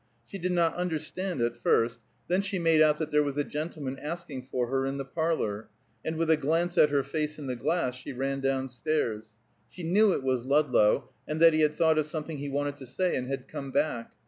She did not understand at first; then she made out that there was a gentleman asking for her in the parlor; and with a glance at her face in the glass, she ran down stairs. She knew it was Ludlow, and that he had thought of something he wanted to say, and had come back.